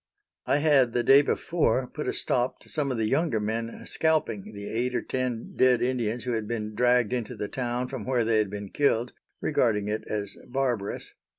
I had, the day before, put a stop to some of the younger men scalping the eight or ten dead Indians who had been dragged into the town from where they had been killed, regarding it as barbarous.